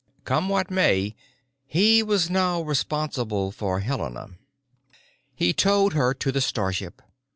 Come what may, he was now responsible for Helena. He towed her to the starship.